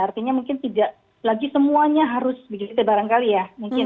artinya mungkin tidak lagi semuanya harus begitu barangkali ya mungkin